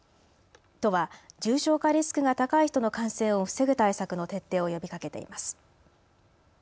都は重症化リスクが高い人の感染を防ぐ対策の徹底を呼びかけています。